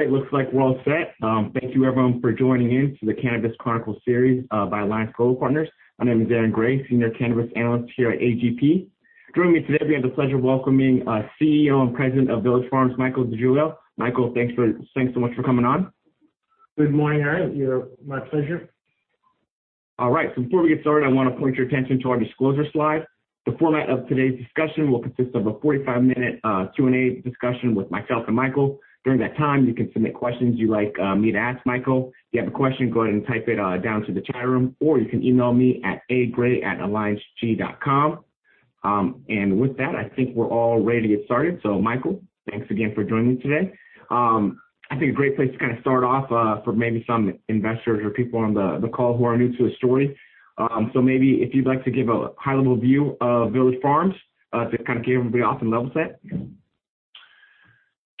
All right. Looks like we're all set. Thank you everyone for joining in to the Cannabis Chronicles series by Alliance Global Partners. My name is Aaron Grey, Senior Cannabis Analyst here at AGP. Joining me today, we have the pleasure of welcoming our CEO and President of Village Farms, Michael DeGiglio. Michael, thanks so much for coming on. Good morning, Aaron. My pleasure. All right. Before we get started, I wanna point your attention to our disclosure slide. The format of today's discussion will consist of a 45-minute Q&A discussion with myself and Michael. During that time, you can submit questions you'd like me to ask Michael. If you have a question, go ahead and type it down to the chat room, or you can email me at agray@allianceg.com. With that, I think we're all ready to get started. Michael, thanks again for joining me today. I think a great place to kinda start off for maybe some investors or people on the call who are new to the story, maybe if you'd like to give a high-level view of Village Farms to kind of get everybody off and level set.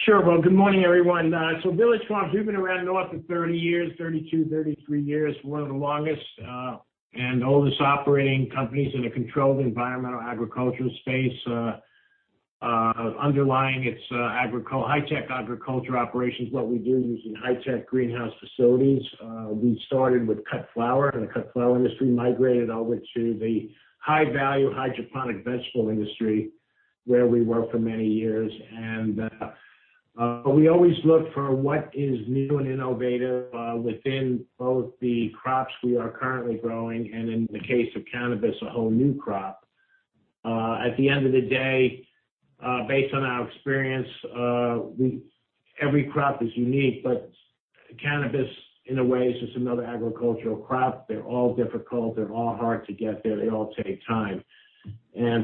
Sure. Well, good morning, everyone. So Village Farms, we've been around north of 30 years, 32-33 years, one of the longest and oldest operating companies in a controlled environmental agricultural space, underlying its high-tech agriculture operations. What we do using high-tech greenhouse facilities, we started with cut flower. In the cut flower industry, migrated over to the high-value hydroponic vegetable industry, where we were for many years. We always look for what is new and innovative within both the crops we are currently growing and in the case of cannabis, a whole new crop. At the end of the day, based on our experience, every crop is unique, but cannabis, in a way, is just another agricultural crop. They're all difficult. They're all hard to get there. They all take time.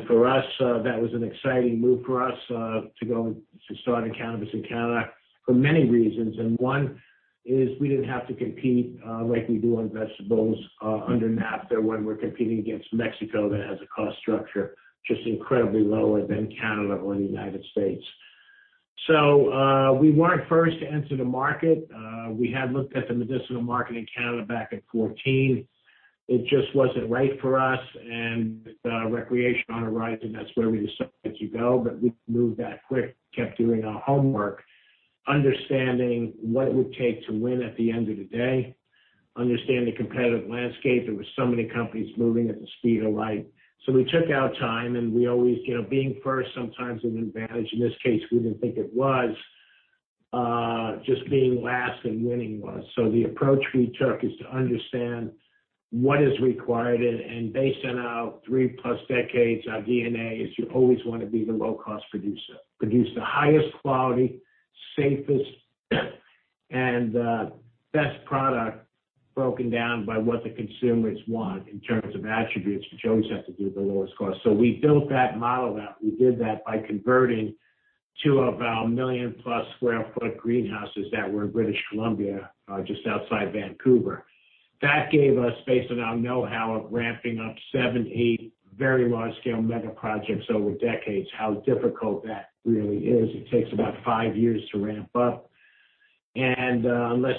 For us, that was an exciting move for us, to go and to start in cannabis in Canada for many reasons. One is we didn't have to compete, like we do on vegetables, under NAFTA, when we're competing against Mexico that has a cost structure just incredibly lower than Canada or the United States. We weren't first to enter the market. We had looked at the medicinal market in Canada back in 2014. It just wasn't right for us. Recreational on the rise, and that's where we decided to go. We moved that quick, kept doing our homework, understanding what it would take to win at the end of the day, understand the competitive landscape. There were so many companies moving at the speed of light. We took our time, and we always, you know, being first sometimes an advantage. In this case, we didn't think it was, just being last and winning was. The approach we took is to understand what is required and, based on our three-plus decades, our DNA is you always wanna be the low-cost producer. Produce the highest quality, safest, and best product broken down by what the consumers want in terms of attributes, but you always have to do the lowest cost. We built that model out. We did that by converting two of our million-plus sq ft greenhouses that were in British Columbia, just outside Vancouver. That gave us, based on our know-how of ramping up seven, eight very large-scale mega projects over decades, how difficult that really is. It takes about five years to ramp up. If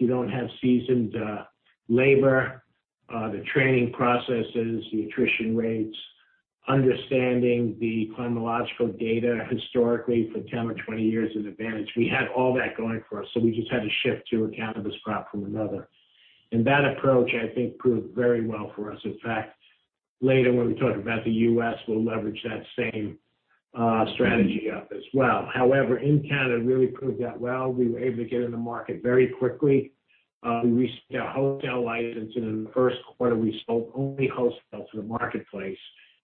you don't have seasoned labor, the training processes, the attrition rates, understanding the chronological data historically for 10 or 20 years is an advantage. We had all that going for us, so we just had to shift to a cannabis crop from another. That approach, I think, proved very well for us. In fact, later when we talk about the U.S., we'll leverage that same strategy up as well. However, in Canada, it really proved out well. We were able to get in the market very quickly. We received our wholesale license in the first quarter. We sold only wholesale to the marketplace.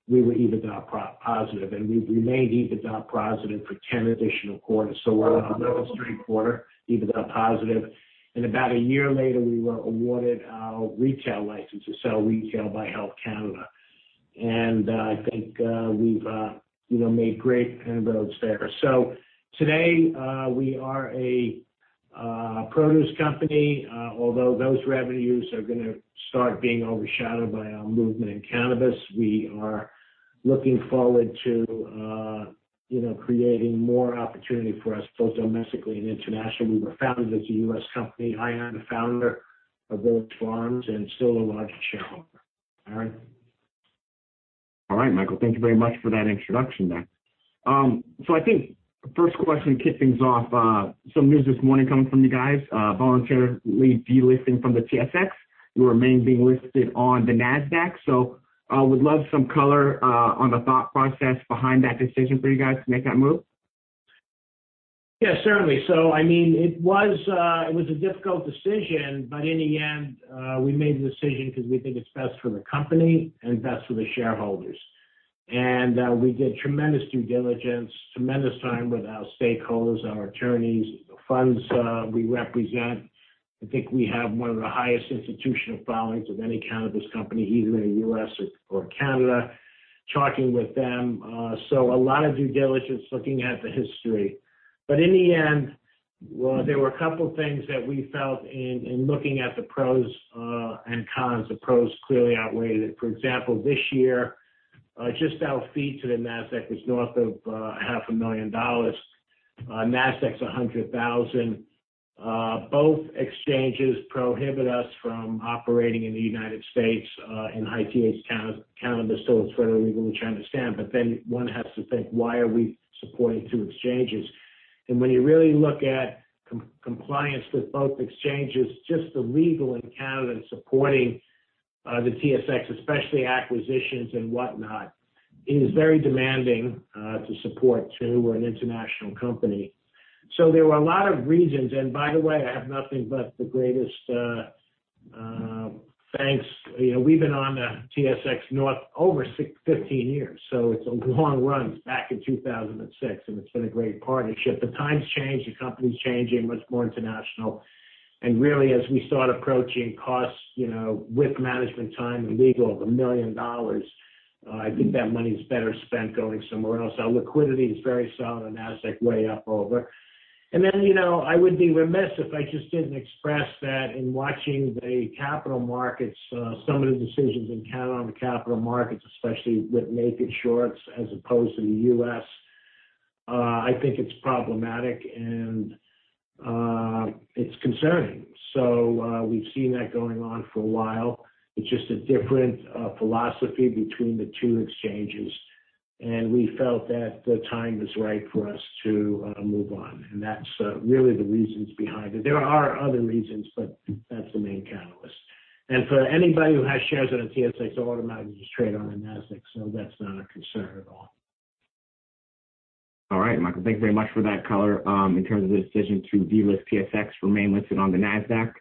We were EBITDA positive, and we remained EBITDA positive for 10 additional quarters. We're in our 11th straight quarter, EBITDA positive. About a year later, we were awarded our retail license to sell retail by Health Canada. I think we've you know made great inroads there. Today we are a produce company although those revenues are gonna start being overshadowed by our movement in cannabis. We are looking forward to you know creating more opportunity for us both domestically and internationally. We were founded as a U.S. company. I am the founder of Village Farms and still a large shareholder. Aaron. All right, Michael. Thank you very much for that introduction there. I think the first question to kick things off, some news this morning coming from you guys, voluntarily delisting from the TSX. You remain being listed on the Nasdaq. Would love some color, on the thought process behind that decision for you guys to make that move. Yeah, certainly. I mean, it was a difficult decision, but in the end, we made the decision 'cause we think it's best for the company and best for the shareholders. We did tremendous due diligence, tremendous time with our stakeholders, our attorneys, the funds we represent. I think we have one of the highest institutional filings of any cannabis company, either in the U.S. or Canada, talking with them. A lot of due diligence looking at the history. In the end, well, there were a couple of things that we felt in looking at the pros and cons. The pros clearly outweighed it. For example, this year, just our fee to the Nasdaq was north of half a million dollars. Nasdaq's 100,000. Both exchanges prohibit us from operating in the United States, and in Canada still is federally legal, which I understand, but then one has to think, why are we supporting two exchanges? When you really look at compliance with both exchanges, just the legal in Canada and supporting the TSX, especially acquisitions and whatnot, is very demanding to support two. We're an international company. There were a lot of reasons. By the way, I have nothing but the greatest thanks. You know, we've been on the TSX for over 15 years, so it's a long run back in 2006, and it's been a great partnership. The times change, the company's changing, much more international. Really, as we start approaching costs, you know, with management time and legal of $1 million, I think that money is better spent going somewhere else. Our liquidity is very solid on Nasdaq, way up over. You know, I would be remiss if I just didn't express that in watching the capital markets, some of the decisions in Canada on the capital markets, especially with naked shorts as opposed to the U.S., I think it's problematic and, it's concerning. We've seen that going on for a while. It's just a different philosophy between the two exchanges. We felt that the time was right for us to move on. That's really the reasons behind it. There are other reasons, but that's the main catalyst. For anybody who has shares on a TSX, they'll automatically just trade on the Nasdaq, so that's not a concern at all. All right, Michael, thank you very much for that color, in terms of the decision to delist TSX, remain listed on the Nasdaq,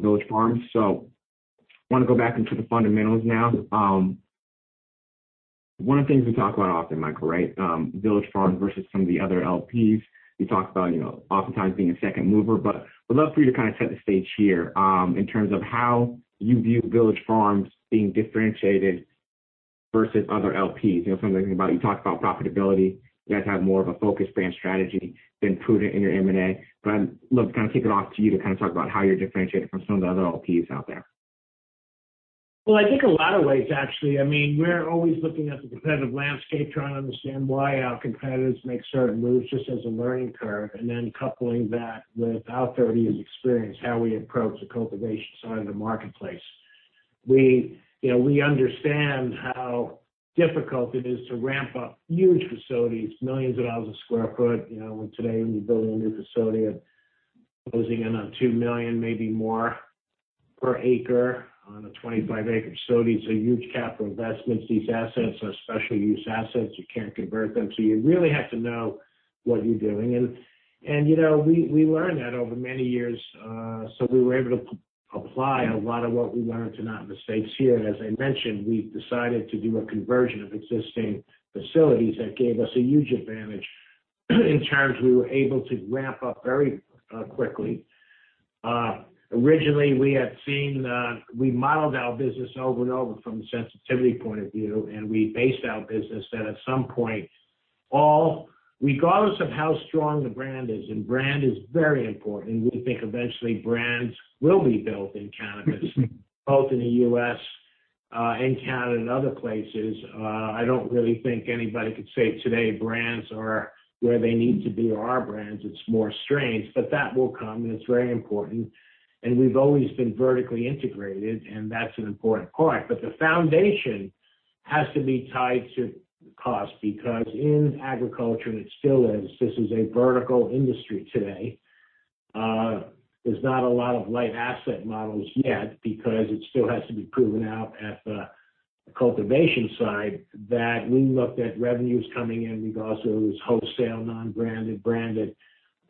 Village Farms. Want to go back into the fundamentals now. One of the things we talk about often, Michael, right, Village Farms versus some of the other LPs. We talk about, you know, oftentimes being a second mover, but would love for you to kind of set the stage here, in terms of how you view Village Farms being differentiated versus other LPs. You know, some of the things you talked about profitability. You guys have more of a focused brand strategy been proven in your M&A. I'd love to kind of kick it off to you to kind of talk about how you're differentiated from some of the other LPs out there. Well, I think a lot of ways, actually. I mean, we're always looking at the competitive landscape, trying to understand why our competitors make certain moves just as a learning curve, and then coupling that with our 30 years experience, how we approach the cultivation side of the marketplace. We, you know, we understand how difficult it is to ramp up huge facilities, millions of dollars a square foot. You know, today, we build a new facility of closing in on $2 million, maybe more per acre on a 25-acre facility. It's a huge capital investment. These assets are special use assets. You can't convert them. So you really have to know what you're doing. You know, we learned that over many years, so we were able to apply a lot of what we learned to not make mistakes here. As I mentioned, we decided to do a conversion of existing facilities that gave us a huge advantage in terms we were able to ramp up very quickly. Originally, we had seen, we modeled our business over and over from a sensitivity point of view, and we based our business that at some point, all, regardless of how strong the brand is, and brand is very important, we think eventually brands will be built in cannabis, both in the U.S. and Canada, and other places. I don't really think anybody could say today brands are where they need to be, or are brands, it's more strains. That will come, and it's very important. We've always been vertically integrated, and that's an important point. The foundation has to be tied to cost because in agriculture, and it still is, this is a vertical industry today. There's not a lot of light asset models yet because it still has to be proven out at the cultivation side that we looked at revenues coming in. We've also, it was wholesale, non-branded, branded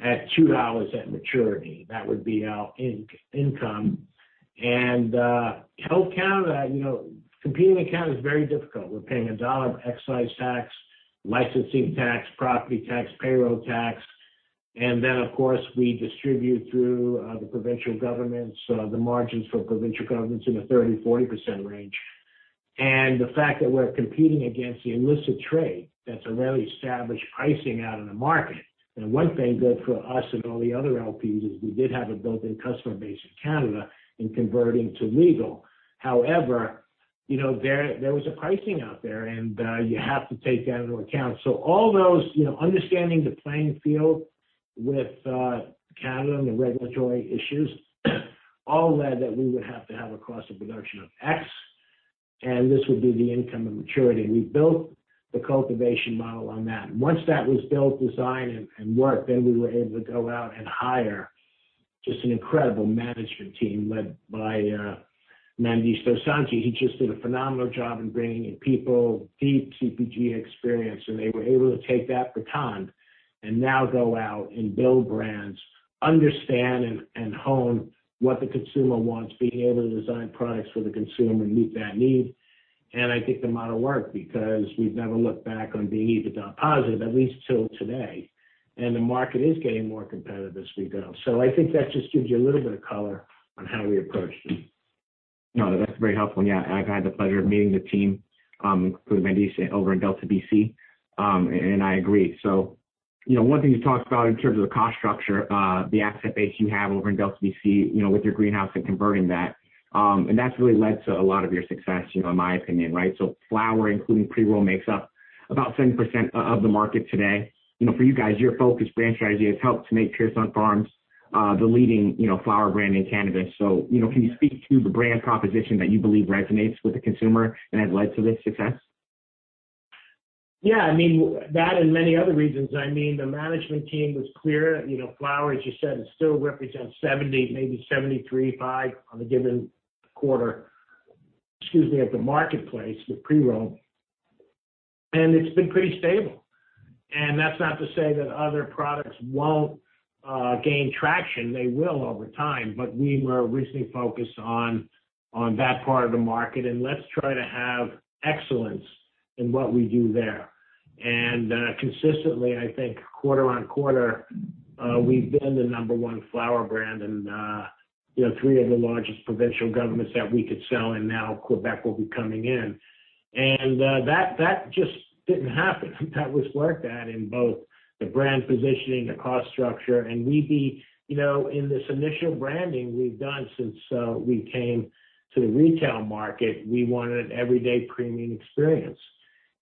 at 2 dollars at maturity. That would be our income. Canada, you know, competing in Canada is very difficult. We're paying CAD 1 of excise tax, licensing tax, property tax, payroll tax. And then, of course, we distribute through the provincial governments, the margins for provincial governments in the 30%-40% range. The fact that we're competing against the illicit trade, that's a very established pricing out in the market. One thing good for us and all the other LPs is we did have a built-in customer base in Canada in converting to legal. However, you know, there was a pricing out there, and you have to take that into account. All those, you know, understanding the playing field with Canada and the regulatory issues, all that we would have to have a cost of production of X, and this would be the income and maturity. We built the cultivation model on that. Once that was built, designed, and worked, then we were able to go out and hire just an incredible management team led by Mandesh Dosanjh. He just did a phenomenal job in bringing in people, deep CPG experience, and they were able to take that baton and now go out and build brands, understand and hone what the consumer wants, being able to design products for the consumer and meet that need. I think the model worked because we've never looked back on being EBITDA positive, at least till today. The market is getting more competitive as we go. I think that just gives you a little bit of color on how we approached it. No, that's very helpful. Yeah, I've had the pleasure of meeting the team, including Mandesh over in Delta BC, and I agree. You know, one thing you talked about in terms of the cost structure, the asset base you have over in Delta BC, you know, with your greenhouse and converting that, and that's really led to a lot of your success, you know, in my opinion, right? Flower, including pre-roll, makes up about 7% of the market today. You know, for you guys, your focused brand strategy has helped to make Pure Sunfarms, the leading, you know, flower brand in cannabis. You know, can you speak to the brand proposition that you believe resonates with the consumer and has led to this success? Yeah. I mean, that and many other reasons. I mean, the management team was clear. You know, flower, as you said, it still represents 70%, maybe 73.5% on a given quarter, excuse me, at the marketplace with pre-roll, and it's been pretty stable. That's not to say that other products won't gain traction. They will over time, but we were recently focused on that part of the market, and let's try to have excellence in what we do there. Consistently, I think quarter-over-quarter, we've been the number one flower brand and you know, three of the largest provincial governments that we could sell, and now Québec will be coming in. That just didn't happen. That was worked at in both the brand positioning, the cost structure. We'd be, you know, in this initial branding we've done since we came to the retail market, we wanted an everyday premium experience.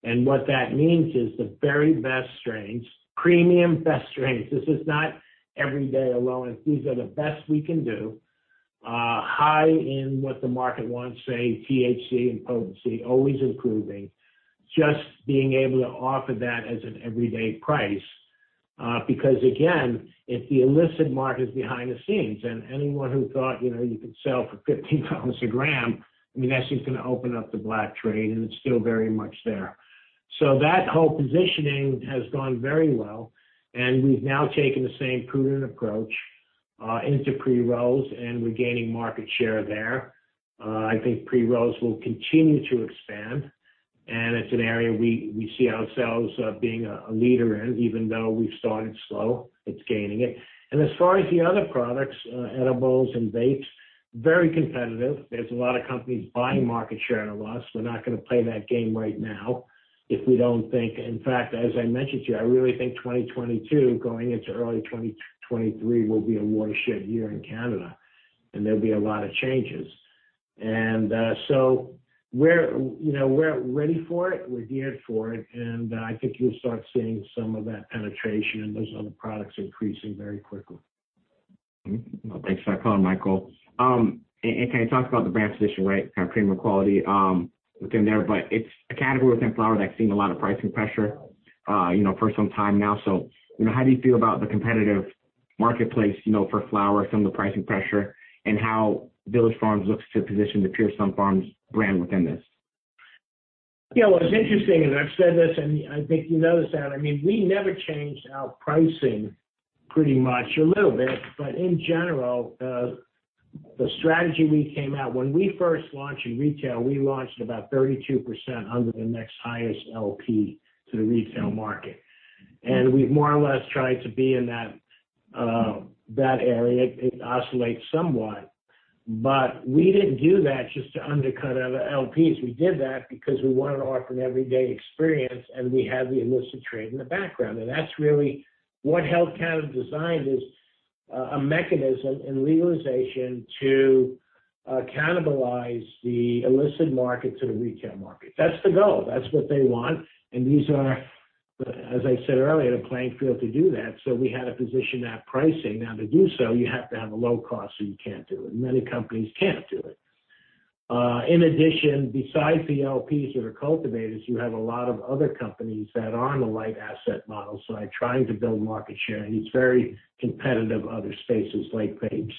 What that means is the very best strains, premium best strains. This is not everyday allowance. These are the best we can do, high in what the market wants, say, THC and potency, always improving. Just being able to offer that as an everyday price, because again, if the illicit market is behind the scenes and anyone who thought, you know, you could sell for $50 a gram, I mean, that's just gonna open up the black trade, and it's still very much there. That whole positioning has gone very well, and we've now taken the same prudent approach into pre-rolls, and we're gaining market share there. I think pre-rolls will continue to expand, and it's an area we see ourselves being a leader in. Even though we've started slow, it's gaining it. As far as the other products, edibles and vapes, very competitive. There's a lot of companies buying market share at a loss. We're not gonna play that game right now if we don't think. In fact, as I mentioned to you, I really think 2022 going into early 2023 will be a watershed year in Canada, and there'll be a lot of changes. You know, we're ready for it. We're geared for it, and I think you'll start seeing some of that penetration in those other products increasing very quickly. Well, thanks for that color, Michael. And can you talk about the brand position, right, kind of premium quality, within there, but it's a category within flower that's seen a lot of pricing pressure, you know, for some time now. You know, how do you feel about the competitive marketplace, you know, for flower, some of the pricing pressure, and how Village Farms looks to position the Pure Sunfarms brand within this? Yeah. What's interesting is, I've said this, and I think you know this, Aaron, I mean, we never changed our pricing pretty much. A little bit, but in general, the strategy. When we first launched in retail, we launched about 32% under the next highest LP to the retail market. We've more or less tried to be in that area. It oscillates somewhat. We didn't do that just to undercut other LPs. We did that because we want to offer an everyday experience, and we have the illicit trade in the background. That's really what Health Canada designed as a mechanism and legalization to cannibalize the illicit market to the retail market. That's the goal. That's what they want. These are, as I said earlier, the playing field to do that, so we had to position that pricing. Now to do so, you have to have a low cost, so you can't do it, and many companies can't do it. In addition, besides the LPs that are cultivators, you have a lot of other companies that are on the light asset model, so are trying to build market share, and it's very competitive, other spaces like vapes.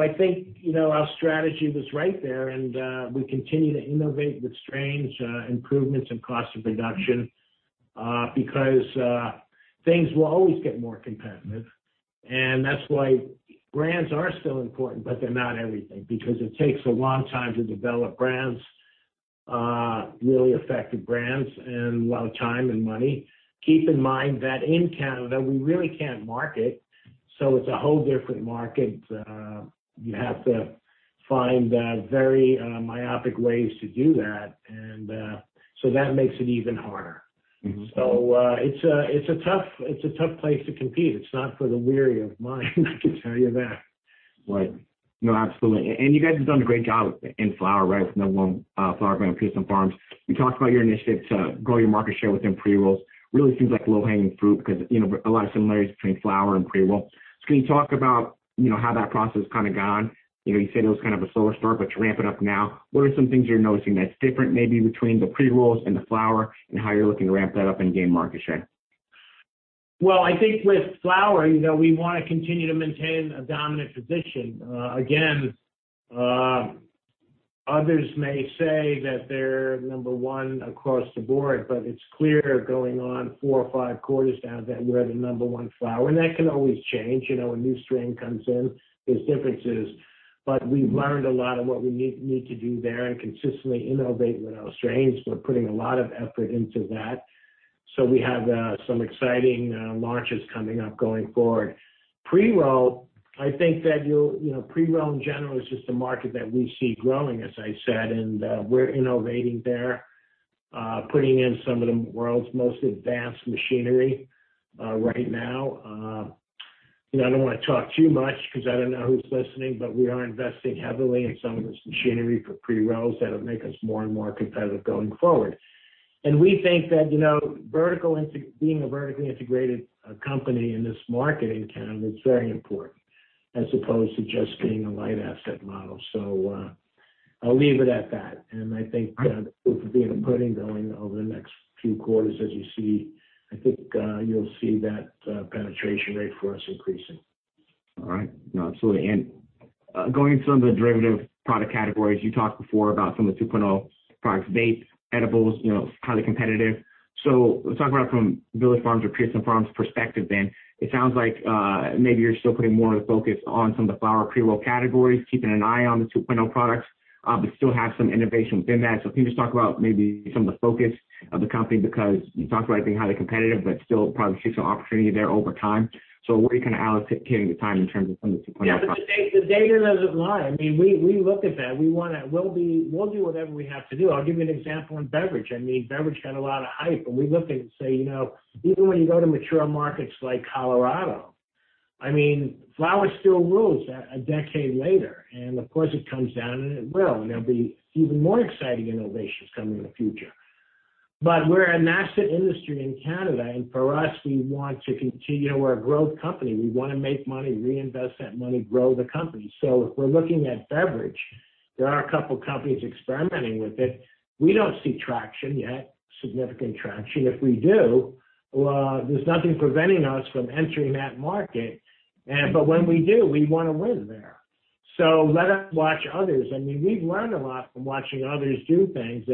I think, you know, our strategy was right there, and, we continue to innovate with strains, improvements and cost reduction, because, things will always get more competitive. That's why brands are still important, but they're not everything because it takes a long time to develop brands, really effective brands and a lot of time and money. Keep in mind that in Canada, we really can't market. It's a whole different market. You have to find very myopic ways to do that. That makes it even harder. Mm-hmm. It's a tough place to compete. It's not for the weary of mind, I can tell you that. Right. No, absolutely. You guys have done a great job in flower, right? Number one flower brand, Pure Sunfarms. You talked about your initiative to grow your market share within pre-rolls. Really seems like low-hanging fruit because, you know, a lot of similarities between flower and pre-roll. Can you talk about, you know, how that process has kinda gone? You know, you said it was kind of a slower start, but you're ramping up now. What are some things you're noticing that's different maybe between the pre-rolls and the flower and how you're looking to ramp that up and gain market share? Well, I think with flower, you know, we wanna continue to maintain a dominant position. Again, others may say that they're number one across the board, but it's clear going on four or five quarters now that we're the number one flower. That can always change. You know, a new strain comes in. There's differences. We've learned a lot of what we need to do there and consistently innovate with our strains. We're putting a lot of effort into that. We have some exciting launches coming up going forward. Pre-roll, I think pre-roll in general is just a market that we see growing, as I said, and we're innovating there, putting in some of the world's most advanced machinery right now. You know, I don't wanna talk too much because I don't know who's listening, but we are investing heavily in some of this machinery for pre-rolls that'll make us more and more competitive going forward. We think that, you know, being a vertically integrated company in this market in Canada is very important as opposed to just being a light asset model. I'll leave it at that. I think the proof will be in the pudding going over the next few quarters, as you see. I think you'll see that penetration rate for us increasing. All right. No, absolutely. Going into some of the derivative product categories, you talked before about some of 2.0 Products, vape, edibles, you know, highly competitive. Let's talk about from Village Farms or Pure Sunfarms perspective then. It sounds like, maybe you're still putting more of the focus on some of the flower pre-roll categories, keeping an eye on the 2.0 Products, but still have some innovation within that. Can you just talk about maybe some of the focus of the company, because you talked about it being highly competitive, but still probably see some opportunity there over time. Where are you kind of allocating the time in terms of some of the 2.0? Yeah. The data doesn't lie. I mean, we look at that. We'll do whatever we have to do. I'll give you an example in beverage. I mean, beverage had a lot of hype, and we looked at it and say, you know, even when you go to mature markets like Colorado, I mean, flower still rules a decade later. Of course, it comes down, and it will, and there'll be even more exciting innovations coming in the future. We're an asset industry in Canada, and for us, we want to continue. We're a growth company. We wanna make money, reinvest that money, grow the company. If we're looking at beverage, there are a couple companies experimenting with it. We don't see traction yet, significant traction. If we do, there's nothing preventing us from entering that market. When we do, we wanna win there. Let us watch others. I mean, we've learned a lot from watching others do things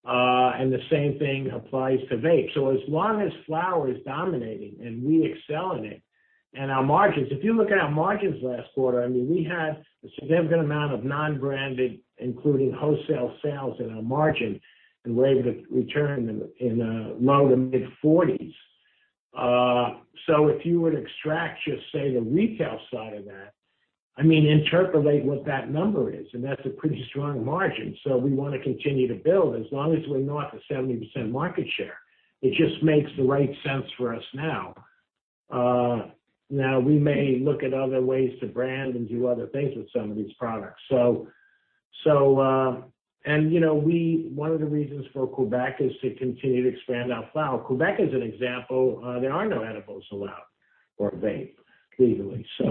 and then analyzing why, and the same thing applies to vape. As long as flower is dominating and we excel in it, and our margins. If you look at our margins last quarter, I mean, we had a significant amount of non-branded, including wholesale sales in our margin and were able to return in low to mid-40%. If you were to extract just say the retail side of that, I mean, interpolate what that number is, and that's a pretty strong margin. We wanna continue to build as long as we're not the 70% market share. It just makes the right sense for us now. Now we may look at other ways to brand and do other things with some of these products. One of the reasons for Québec is to continue to expand our flower. Québec is an example, there are no edibles allowed or vapes legally. You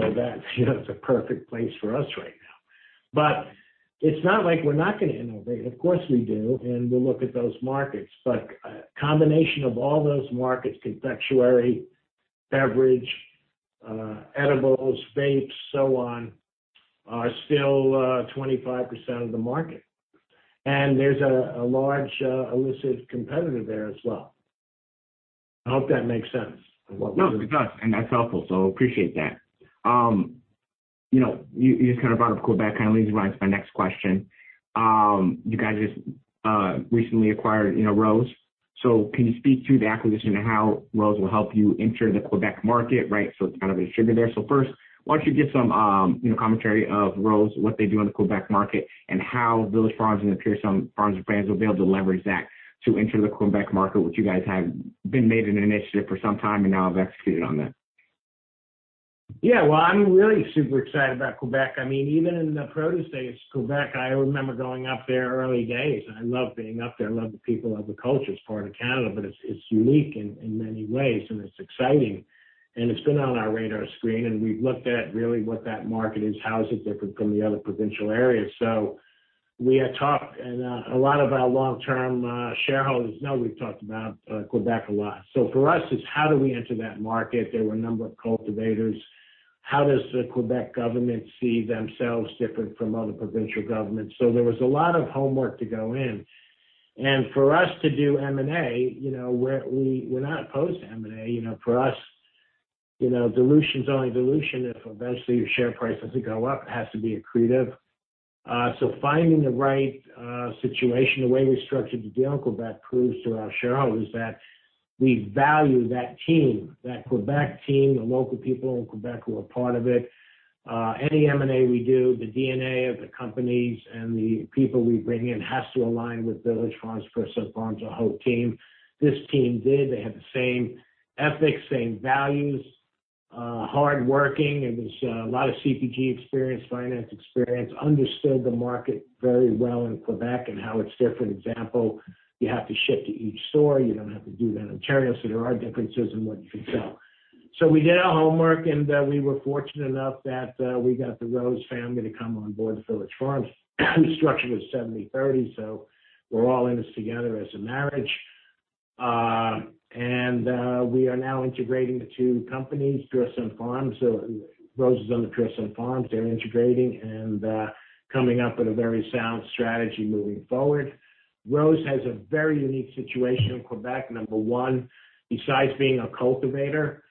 know, it's a perfect place for us right now. It's not like we're not gonna innovate. Of course, we do, and we'll look at those markets. A combination of all those markets, confectionery, beverage, edibles, vapes, so on, are still 25% of the market. There's a large illicit competitor there as well. I hope that makes sense of what we're doing. No, it does. That's helpful, so appreciate that. You know, you just kind of brought up Québec, kind of leads right into my next question. You guys just recently acquired, you know, ROSE LifeScience. Can you speak to the acquisition and how ROSE will help you enter the Québec market, right? It's kind of a distributor there. First, why don't you give some, you know, commentary of ROSE, what they do in the Québec market, and how Village Farms and the Pure Sunfarms brands will be able to leverage that to enter the Québec market, which you guys have made it an initiative for some time and now have executed on that. Yeah. Well, I'm really super excited about Québec. I mean, even in the produce days, Québec, I remember going up there early days, and I love being up there. I love the people, I love the culture. It's part of Canada, but it's unique in many ways, and it's exciting. It's been on our radar screen, and we've looked at really what that market is, how is it different from the other provincial areas. We had talked, and a lot of our long-term shareholders know we've talked about Québec a lot. For us, it's how do we enter that market? There were a number of cultivators. How does the Québec government see themselves different from other provincial governments? There was a lot of homework to go in. For us to do M&A, you know, we're not opposed to M&A. You know, for us, you know, dilution is only dilution if eventually your share price doesn't go up. It has to be accretive. Finding the right situation, the way we structured the deal in Québec proves to our shareholders that we value that team, that Québec team, the local people in Québec who are part of it. Any M&A we do, the DNA of the companies and the people we bring in has to align with Village Farms, Pure Sunfarms, our whole team. This team did. They had the same ethics, same values, hardworking. It was a lot of CPG experience, finance experience, understood the market very well in Québec and how it's different. Example, you have to ship to each store. You don't have to do that in Ontario, so there are differences in what you can sell. We did our homework, and we were fortunate enough that we got the ROSE family to come on board with Village Farms. The structure was 70/30, so we're all in this together as a marriage. We are now integrating the two companies, Pure Sunfarms. So ROSE is under Pure Sunfarms. They're integrating and coming up with a very sound strategy moving forward. ROSE has a very unique situation in Québec. Number one, besides being a cultivator,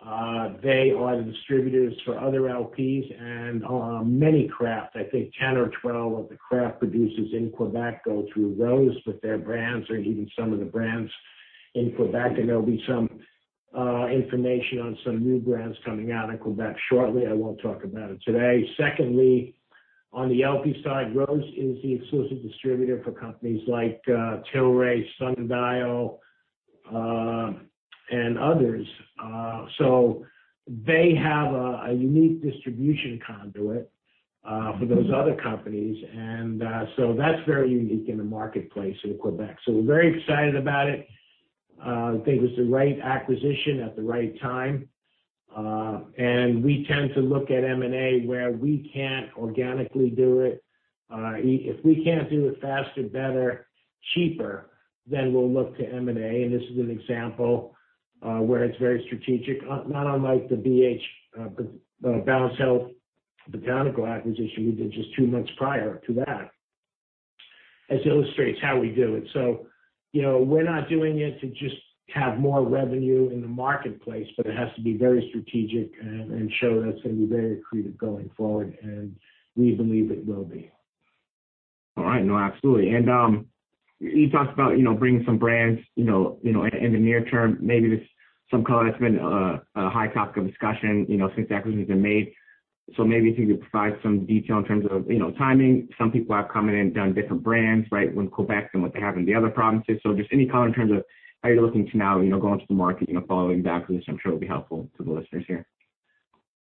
they are the distributors for other LPs and many craft. I think 10 or 12 of the craft producers in Québec go through ROSE with their brands or even some of the brands in Québec. There'll be some information on some new brands coming out in Québec shortly. I won't talk about it today. Secondly, on the LP side, ROSE is the exclusive distributor for companies like Tilray, Sundial, and others. They have a unique distribution conduit for those other companies. That's very unique in the marketplace in Québec. We're very excited about it. I think it's the right acquisition at the right time. We tend to look at M&A where we can't organically do it. If we can't do it faster, better, cheaper, then we'll look to M&A, and this is an example where it's very strategic, not unlike the BH, the Balanced Health Botanicals acquisition we did just two months prior to that, as it illustrates how we do it. You know, we're not doing it to just have more revenue in the marketplace, but it has to be very strategic and show that it's gonna be very accretive going forward, and we believe it will be. All right. No, absolutely. You talked about, you know, bringing some brands, you know, in the near term, maybe this, some color that's been a high topic of discussion, you know, since the acquisition has been made. Maybe if you could provide some detail in terms of, you know, timing. Some people have come in and done different brands, right, in Québec than what they have in the other provinces. Just any color in terms of how you're looking to now, you know, go into the market, you know, following the acquisition, I'm sure it'll be helpful to the listeners here.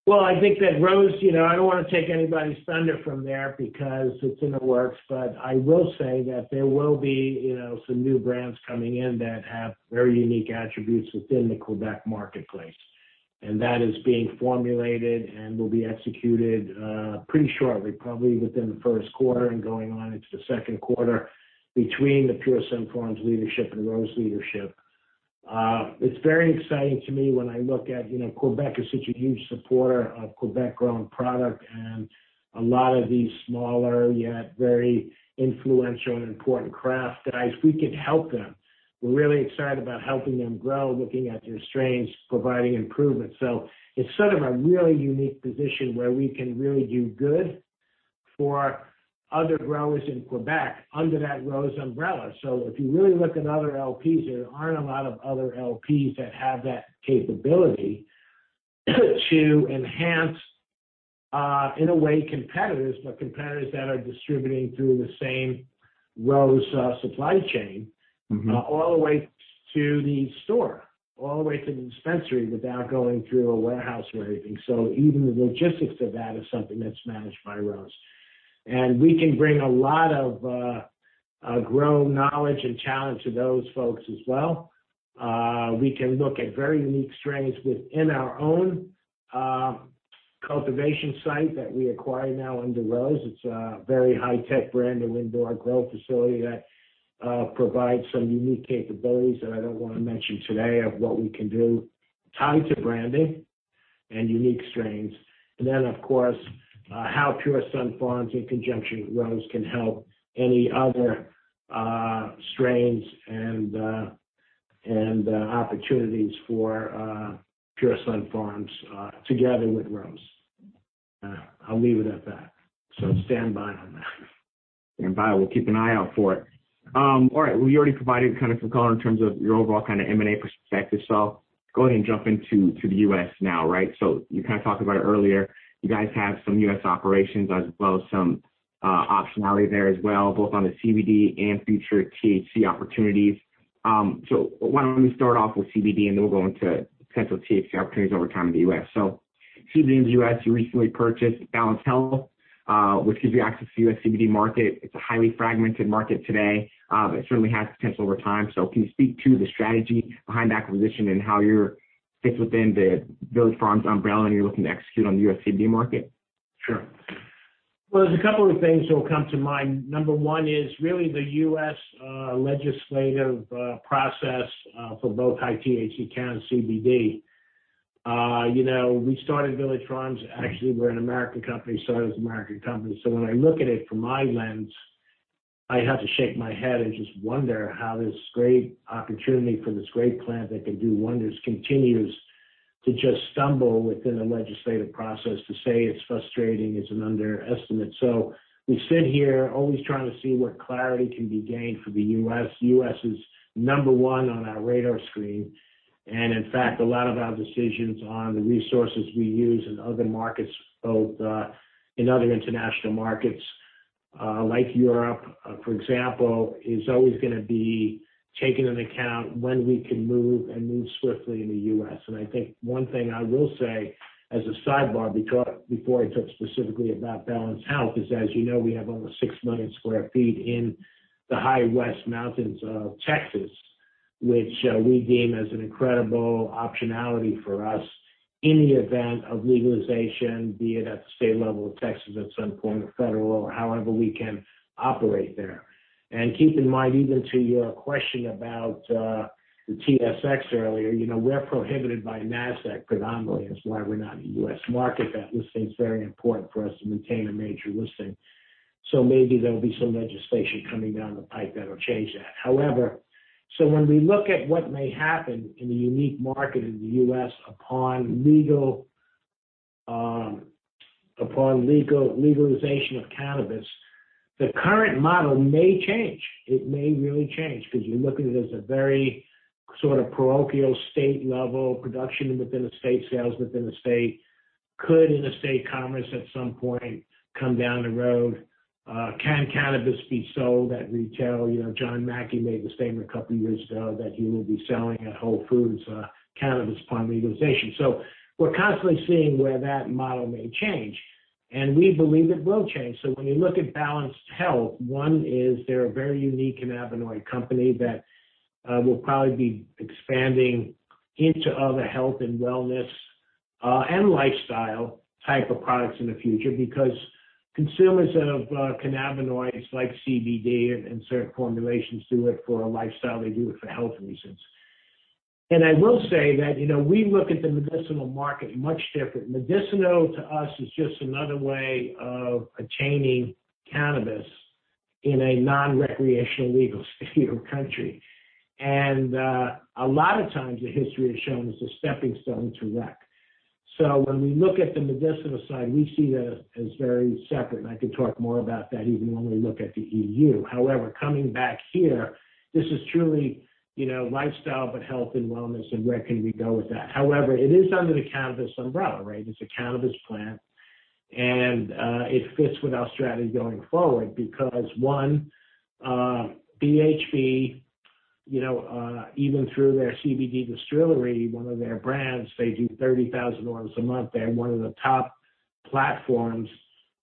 Well, I think that ROSE, you know, I don't wanna take anybody's thunder from there because it's in the works. I will say that there will be, you know, some new brands coming in that have very unique attributes within the Québec marketplace. That is being formulated and will be executed pretty shortly, probably within the first quarter and going on into the second quarter between the Pure Sunfarms leadership and ROSE leadership. It's very exciting to me when I look at, you know, Québec is such a huge supporter of Québec grown product and a lot of these smaller, yet very influential and important craft guys. We can help them. We're really excited about helping them grow, looking at their strains, providing improvements. It's sort of a really unique position where we can really do good for other growers in Québec under that ROSE umbrella. If you really look at other LPs, there aren't a lot of other LPs that have that capability to enhance, in a way, competitors, but competitors that are distributing through the same ROSE supply chain. Mm-hmm. All the way to the store, all the way to the dispensary without going through a warehouse or anything. Even the logistics of that is something that's managed by ROSE. We can bring a lot of grown knowledge and talent to those folks as well. We can look at very unique strains within our own cultivation site that we acquired now under ROSE. It's a very high tech brand, an indoor growth facility that provides some unique capabilities that I don't wanna mention today of what we can do, tied to branding and unique strains. Of course, how Pure Sunfarms in conjunction with ROSE can help any other strains and opportunities for Pure Sunfarms together with ROSE. I'll leave it at that. Stand by on that. Stand by. We'll keep an eye out for it. All right. Well, you already provided kind of some color in terms of your overall kind of M&A perspective. Go ahead and jump into, to the U.S. now, right? You kind of talked about it earlier. You guys have some U.S. operations as well, some optionality there as well, both on the CBD and future THC opportunities. Why don't we start off with CBD and then we'll go into potential THC opportunities over time in the U.S. CBD in the U.S., you recently purchased Balanced Health, which gives you access to the U.S. CBD market. It's a highly fragmented market today, but it certainly has potential over time. Can you speak to the strategy behind the acquisition and how you fit within the Village Farms umbrella, and how you're looking to execute on the U.S. CBD market? Sure. Well, there's a couple of things that will come to mind. Number one is really the U.S. legislative process for both high THC count CBD. You know, we started Village Farms, actually, we're an American company, started as an American company. When I look at it from my lens, I have to shake my head and just wonder how this great opportunity for this great plant that can do wonders continues to just stumble within the legislative process. To say it's frustrating is an underestimate. We sit here always trying to see what clarity can be gained for the U.S. U.S. is number one on our radar screen. In fact, a lot of our decisions on the resources we use in other markets, both in other international markets like Europe, for example, is always gonna be taking into account when we can move and move swiftly in the U.S. I think one thing I will say as a sidebar, before I talk specifically about Balanced Health, is as you know, we have almost 6 million sq ft in the West Texas mountains, which we deem as an incredible optionality for us in the event of legalization, be it at the state level of Texas at some point or federal or however we can operate there. Keep in mind, even to your question about the TSX earlier, you know, we're prohibited by Nasdaq predominantly. That's why we're not in the U.S. market. That listing is very important for us to maintain a major listing. Maybe there'll be some legislation coming down the pipe that'll change that. When we look at what may happen in the unique market in the U.S. upon legalization of cannabis. The current model may change. It may really change because you're looking at it as a very sort of parochial state-level production within the state, sales within the state. Could interstate commerce at some point come down the road? Can cannabis be sold at retail? You know, John Mackey made the statement a couple of years ago that he will be selling at Whole Foods, cannabis upon legalization. We're constantly seeing where that model may change, and we believe it will change. When you look at Balanced Health, one is they're a very unique cannabinoid company that will probably be expanding into other health and wellness and lifestyle type of products in the future because consumers of cannabinoids like CBD and certain formulations do it for a lifestyle, they do it for health reasons. I will say that, you know, we look at the medicinal market much different. Medicinal to us is just another way of attaining cannabis in a non-recreational legal state or country. A lot of times the history has shown it's a stepping stone to rec. When we look at the medicinal side, we see that as very separate, and I could talk more about that even when we look at the EU. However, coming back here, this is truly, you know, lifestyle, but health and wellness and where can we go with that? However, it is under the cannabis umbrella, right? It's a cannabis plant, and it fits with our strategy going forward because, one, BHB, you know, even through their CBDistillery, one of their brands, they do 30,000 orders a month. They have one of the top platforms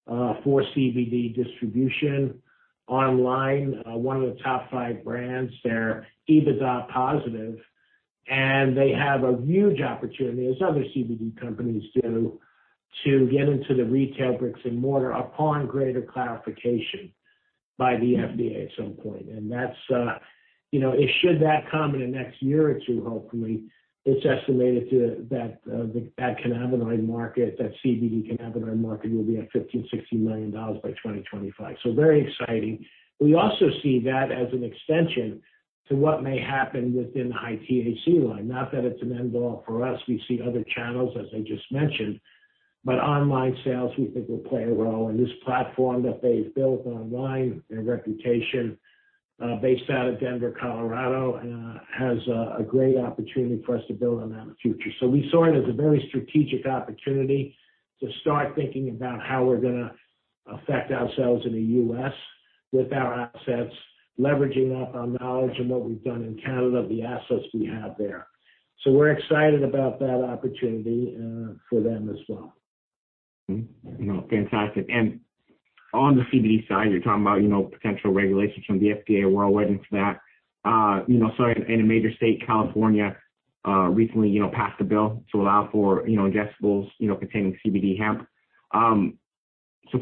for CBD distribution online, one of the top five brands. They're EBITDA positive, and they have a huge opportunity, as other CBD companies do, to get into the retail bricks and mortar upon greater clarification by the FDA at some point. That's, you know, if that should come in the next year or two, hopefully, it's estimated that that cannabinoid market, that CBD cannabinoid market will be at $15 million-$60 million by 2025. Very exciting. We also see that as an extension to what may happen within the high THC line. Not that it's an end all for us. We see other channels, as I just mentioned. Online sales, we think will play a role, and this platform that they've built online, their reputation, based out of Denver, Colorado, has a great opportunity for us to build on that in the future. We saw it as a very strategic opportunity to start thinking about how we're gonna affect ourselves in the U.S. with our assets, leveraging off our knowledge and what we've done in Canada, the assets we have there. We're excited about that opportunity, for them as well. You know, fantastic. On the CBD side, you're talking about, you know, potential regulations from the FDA. We're all waiting for that. You know, in a major state, California, recently, you know, passed a bill to allow for, you know, ingestibles, you know, containing CBD hemp. Can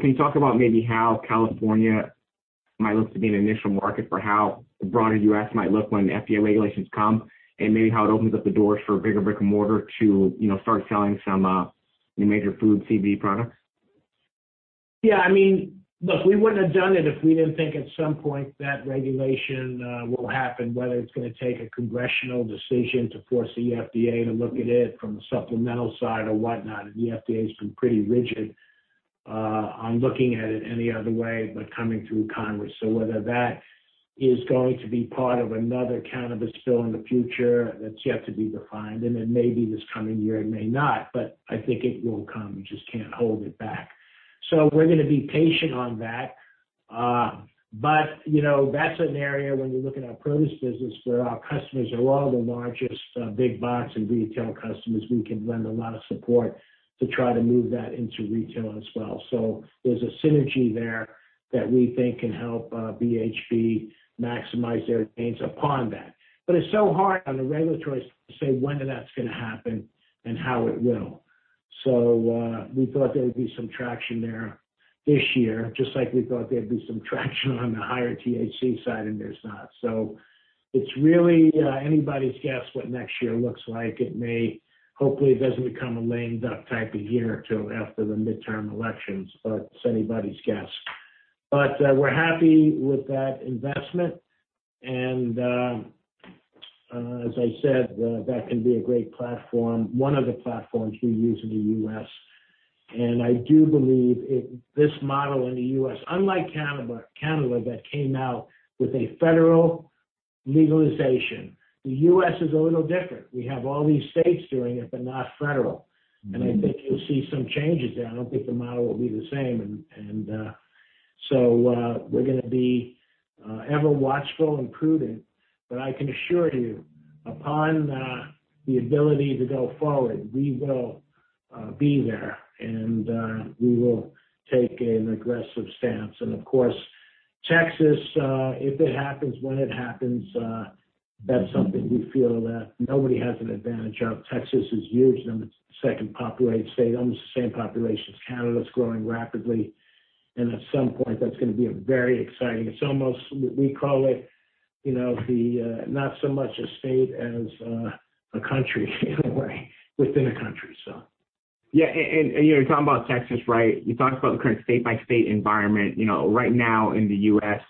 you talk about maybe how California might look to be an initial market for how the broader U.S. might look when FDA regulations come, and maybe how it opens up the doors for bigger brick-and-mortar to, you know, start selling some major food CBD products? Yeah. I mean, look, we wouldn't have done it if we didn't think at some point that regulation will happen, whether it's gonna take a congressional decision to force the FDA to look at it from the supplemental side or whatnot. The FDA has been pretty rigid on looking at it any other way, but coming through Congress. Whether that is going to be part of another cannabis bill in the future, that's yet to be defined. It may be this coming year, it may not, but I think it will come. You just can't hold it back. We're gonna be patient on that. You know, that's an area when you look at our produce business where our customers are one of the largest big box and retail customers. We can lend a lot of support to try to move that into retail as well. There's a synergy there that we think can help, BHB maximize their gains upon that. It's so hard on the regulatory side to say when that's gonna happen and how it will. We thought there would be some traction there this year, just like we thought there'd be some traction on the higher THC side, and there's not. It's really anybody's guess what next year looks like. Hopefully, it doesn't become a lame duck type of year till after the midterm elections, but it's anybody's guess. We're happy with that investment. As I said, that can be a great platform, one of the platforms we use in the U.S. I do believe it, this model in the U.S., unlike Canada that came out with a federal legalization, the U.S. is a little different. We have all these states doing it, but not federal. Mm-hmm. I think you'll see some changes there. I don't think the model will be the same. We're gonna be ever watchful and prudent. I can assure you upon the ability to go forward, we will be there and we will take an aggressive stance. Of course, Texas, if it happens, when it happens, Mm-hmm. That's something we feel that nobody has an advantage of. Texas is huge, and it's the second most populated state, almost the same population as Canada. It's growing rapidly. At some point, that's gonna be a very exciting. It's almost we call it, you know, not so much a state as a country in a way within a country, so. Yeah. You're talking about Texas, right? You talked about the current state-by-state environment. You know, right now in the U.S.,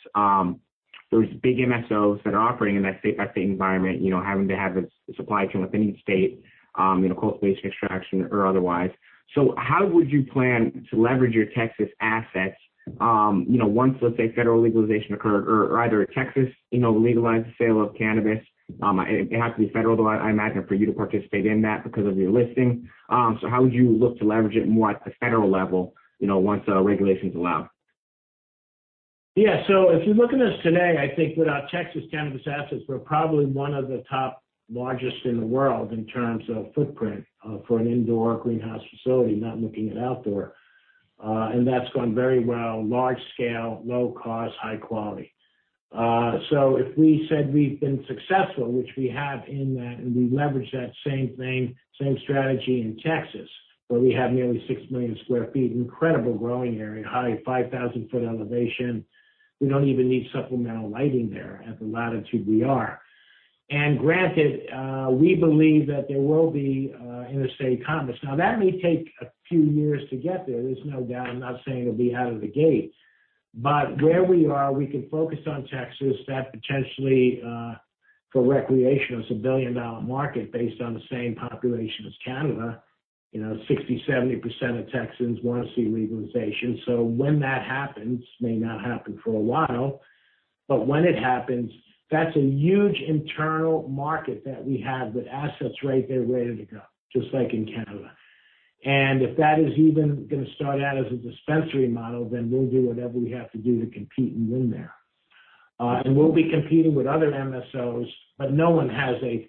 those big MSOs that are offering in that state-by-state environment, you know, having to have a supply chain within each state, you know, cold space extraction or otherwise. How would you plan to leverage your Texas assets, you know, once, let's say, federal legalization occur or either a Texas, you know, legalized sale of cannabis, it has to be federal, though, I imagine, for you to participate in that because of your listing. How would you look to leverage it more at the federal level, you know, once regulation's allowed? Yeah. If you look at us today, I think with our Texas cannabis assets, we're probably one of the top largest in the world in terms of footprint, for an indoor greenhouse facility, not looking at outdoor. That's gone very well. Large scale, low cost, high quality. If we said we've been successful, which we have in that, and we leverage that same thing, same strategy in Texas, where we have nearly 6 million sq ft, incredible growing area, high 5,000 ft elevation. We don't even need supplemental lighting there at the latitude we are. Granted, we believe that there will be interstate commerce. That may take a few years to get there's no doubt. I'm not saying it'll be out of the gate. Where we are, we can focus on Texas, that potentially for recreation, it's a billion-dollar market based on the same population as Canada. You know, 60%-70% of Texans wanna see legalization. When that happens, may not happen for a while, but when it happens, that's a huge internal market that we have with assets right there ready to go, just like in Canada. If that is even gonna start out as a dispensary model, then we'll do whatever we have to do to compete and win there. We'll be competing with other MSOs, but no one has a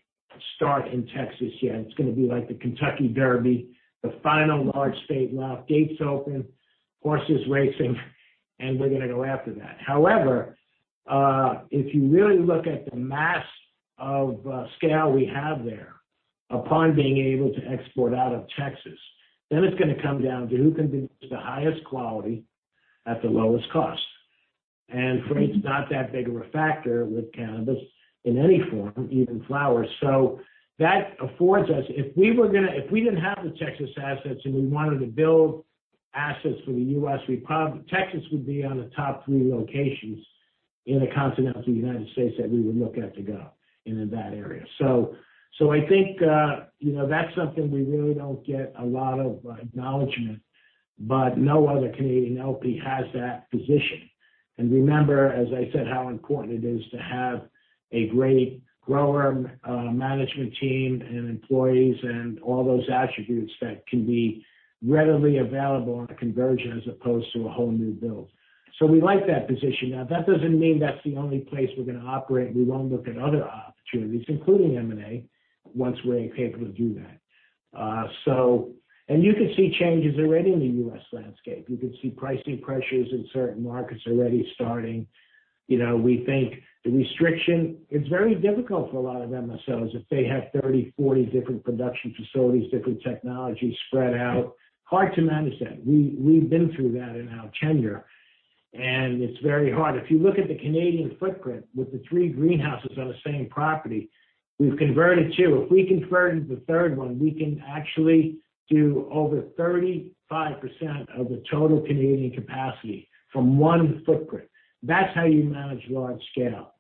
start in Texas yet. It's gonna be like the Kentucky Derby, the final large state left, gates open, horses racing, and we're gonna go after that. However, if you really look at the matter of scale we have there, upon being able to export out of Texas, then it's gonna come down to who can do the highest quality at the lowest cost. Freight's not that big of a factor with cannabis in any form, even flower. That affords us. If we didn't have the Texas assets and we wanted to build assets for the U.S., Texas would be on the top three locations in the continental United States that we would look at to go in that area. I think, you know, that's something we really don't get a lot of acknowledgment, but no other Canadian LP has that position. Remember, as I said, how important it is to have a great grower, management team and employees and all those attributes that can be readily available on a conversion as opposed to a whole new build. We like that position. Now, that doesn't mean that's the only place we're gonna operate, and we won't look at other opportunities, including M&A, once we're able to do that. You can see changes already in the U.S. landscape. You can see pricing pressures in certain markets already starting. You know, we think the restriction, it's very difficult for a lot of MSOs if they have 30-40 different production facilities, different technologies spread out. Hard to manage that. We've been through that in our tenure, and it's very hard. If you look at the Canadian footprint with the three greenhouses on the same property, we've converted two. If we convert the third one, we can actually do over 35% of the total Canadian capacity from one footprint. That's how you manage large scale.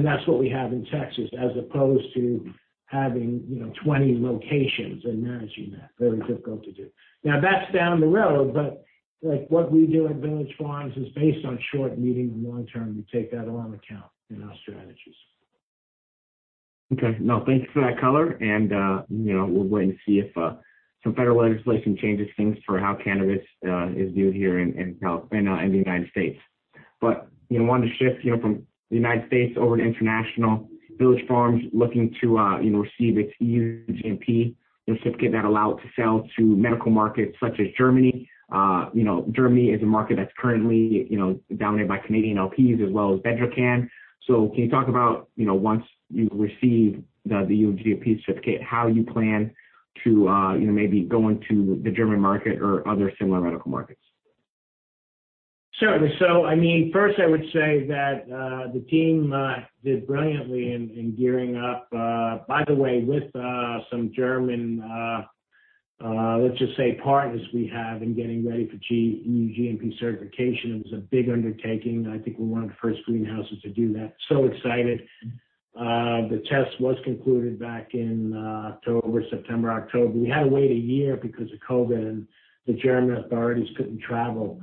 That's what we have in Texas as opposed to having, you know, 20 locations and managing that. Very difficult to do. Now, that's down the road, but, like, what we do at Village Farms is based on short-term and long-term. We take that all into account in our strategies. No, thank you for that color, and you know, we'll wait and see if some federal legislation changes things for how cannabis is viewed here in California, in the United States. You know, wanted to shift you know, from the United States over to international. Village Farms looking to you know, receive its EU GMP certificate that allow it to sell to medical markets such as Germany. You know, Germany is a market that's currently you know, dominated by Canadian LPs as well as Bedrocan. Can you talk about you know, once you receive the EU GMP certificate, how you plan to you know, maybe go into the German market or other similar medical markets? Certainly. I mean, first I would say that the team did brilliantly in gearing up, by the way, with some German partners we have in getting ready for EU GMP certification. It was a big undertaking. I think we're one of the first greenhouses to do that. Excited. The test was concluded back in September, October. We had to wait a year because of COVID, and the German authorities couldn't travel.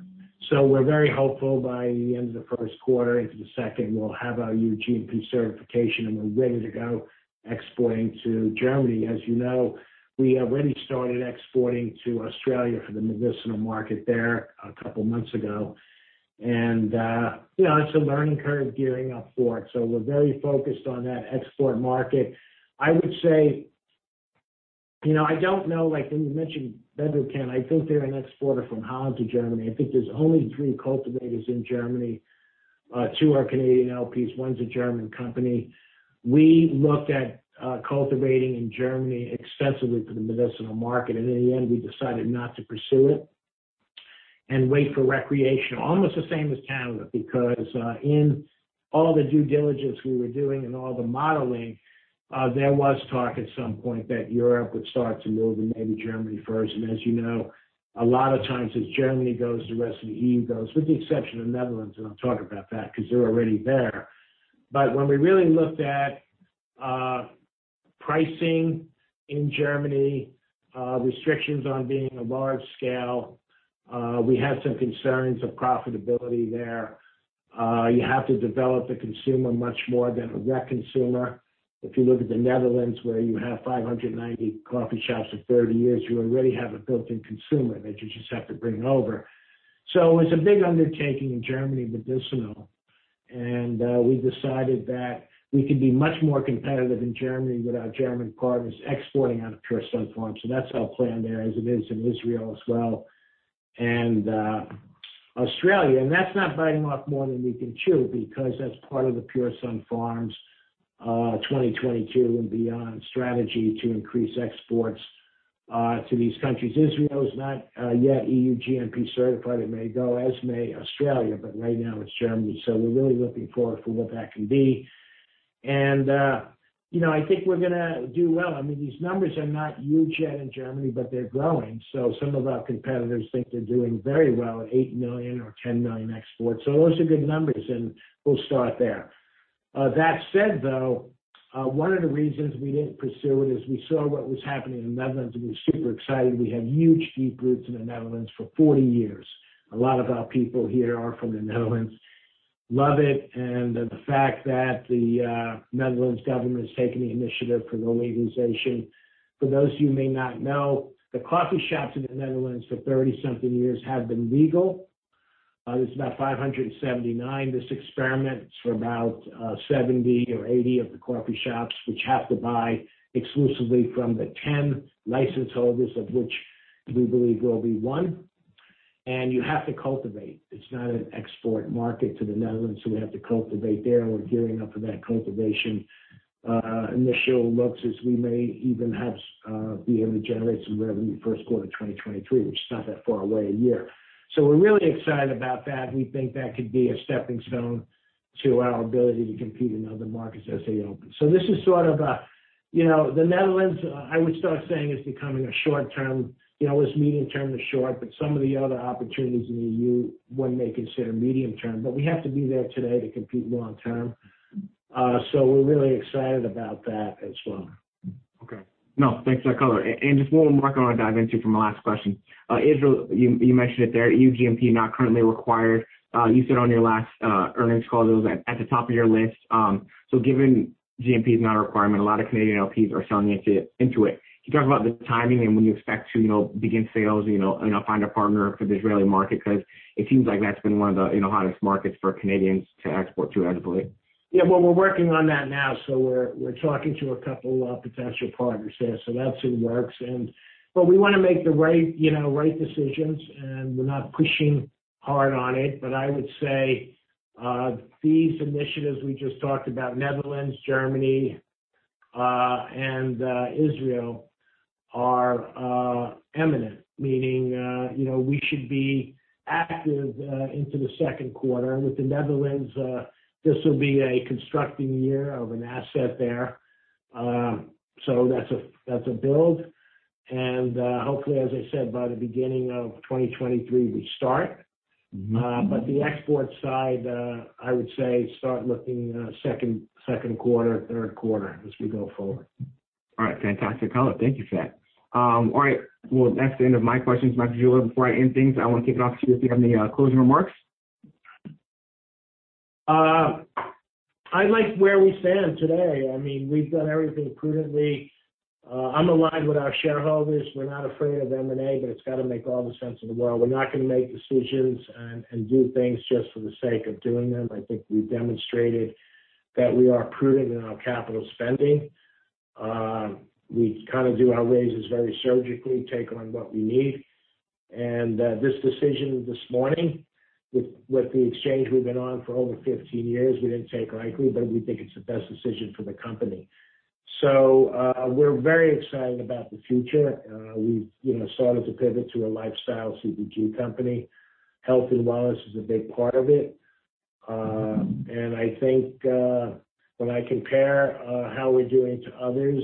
We're very hopeful by the end of the first quarter into the second, we'll have our EU GMP certification, and we're ready to go exporting to Germany. As you know, we already started exporting to Australia for the medicinal market there a couple months ago. You know, it's a learning curve gearing up for it. We're very focused on that export market. I would say. You know, I don't know, like, when you mentioned Bedrocan, I think they're an exporter from Holland to Germany. I think there's only three cultivators in Germany, two are Canadian LPs, one's a German company. We looked at cultivating in Germany extensively for the medicinal market, and in the end, we decided not to pursue it and wait for recreational, almost the same as Canada. Because in all the due diligence we were doing and all the modeling, there was talk at some point that Europe would start to move and maybe Germany first. As you know, a lot of times as Germany goes, the rest of the EU goes, with the exception of Netherlands, and I'll talk about that because they're already there. When we really looked at pricing in Germany, restrictions on being a large scale. We have some concerns of profitability there. You have to develop the consumer much more than a rec consumer. If you look at the Netherlands, where you have 590 coffee shops for 30 years, you already have a built-in consumer that you just have to bring over. It's a big undertaking in Germany medicinal, and we decided that we could be much more competitive in Germany with our German partners exporting out of Pure Sunfarms. That's our plan there as it is in Israel as well, and Australia. That's not biting off more than we can chew because that's part of the Pure Sunfarms 2022 and beyond strategy to increase exports to these countries. Israel is not yet EU GMP certified. It may go, as may Australia, but right now it's Germany. We're really looking forward to what that can be. You know, I think we're gonna do well. I mean, these numbers are not huge yet in Germany, but they're growing. Some of our competitors think they're doing very well, 8 million or 10 million exports. Those are good numbers, and we'll start there. That said, though, one of the reasons we didn't pursue it is we saw what was happening in the Netherlands and we're super excited. We have huge deep roots in the Netherlands for 40 years. A lot of our people here are from the Netherlands. Love it, and the fact that the Netherlands government has taken the initiative for legalization. For those who may not know, the coffee shops in the Netherlands for thirty-something years have been legal. There's about 579. This experiment is for about 70 or 80 of the coffee shops, which have to buy exclusively from the 10 license holders of which we believe we'll be one. You have to cultivate. It's not an export market to the Netherlands, so we have to cultivate there, and we're gearing up for that cultivation. Initial looks is we may even be able to generate some revenue first quarter of 2023, which is not that far away a year. We're really excited about that. We think that could be a stepping stone to our ability to compete in other markets as they open. This is sort of a, you know, the Netherlands, I would start saying is becoming a short term. You know, it was medium term to short, but some of the other opportunities in the EU, one may consider medium term. We have to be there today to compete long term. We're really excited about that as well. Okay. No, thanks for that color. Just one more I wanna dive into from my last question. Israel, you mentioned it there, EU GMP not currently required. You said on your last earnings call those at the top of your list. So given GMP is not a requirement, a lot of Canadian LPs are selling into it. Can you talk about the timing and when you expect to, you know, begin sales, you know, and find a partner for the Israeli market, 'cause it seems like that's been one of the, you know, hottest markets for Canadians to export to, I believe. Yeah. Well, we're working on that now. We're talking to a couple of potential partners there. That's in the works. But we wanna make the right, you know, right decisions, and we're not pushing hard on it. I would say these initiatives we just talked about, Netherlands, Germany, and Israel are imminent, meaning you know, we should be active into the second quarter. With the Netherlands, this will be a construction year of an asset there. That's a build. Hopefully, as I said, by the beginning of 2023, we start. But the export side, I would say start looking second quarter, third quarter as we go forward. All right. Fantastic color. Thank you for that. All right. Well, that's the end of my questions. Michael DeGiglio, before I end things, I wanna kick it off to you if you have any closing remarks? I like where we stand today. I mean, we've done everything prudently. I'm aligned with our shareholders. We're not afraid of M&A, but it's gotta make all the sense in the world. We're not gonna make decisions and do things just for the sake of doing them. I think we've demonstrated that we are prudent in our capital spending. We kind of do our raises very surgically, take on what we need. This decision this morning with the exchange we've been on for over 15 years, we didn't take lightly, but we think it's the best decision for the company. We're very excited about the future. We've, you know, started to pivot to a lifestyle CBD company. Health and wellness is a big part of it. I think, when I compare how we're doing to others,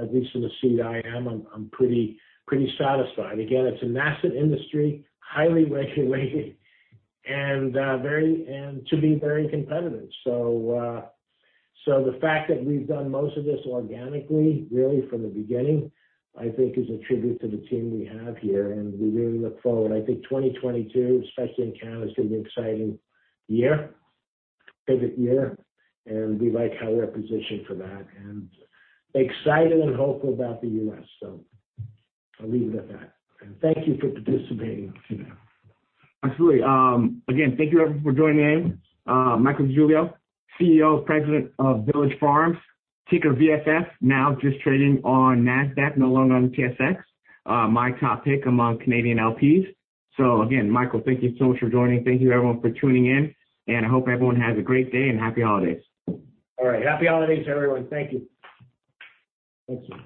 at least in the seat I am, I'm pretty satisfied. Again, it's a massive industry, highly regulated, and very competitive. The fact that we've done most of this organically really from the beginning, I think is a tribute to the team we have here, and we really look forward. I think 2022, especially in Canada, is gonna be an exciting year, pivot year, and we like how we're positioned for that. Excited and hopeful about the U.S. I'll leave it at that. Thank you for participating today. Absolutely. Again, thank you everyone for joining in. Michael DeGiglio, CEO, President of Village Farms, ticker VFF, now just trading on Nasdaq, no longer on the TSX. My top pick among Canadian LPs. Again, Michael, thank you so much for joining. Thank you everyone for tuning in, and I hope everyone has a great day and happy holidays. All right. Happy holidays to everyone. Thank you. Thank you.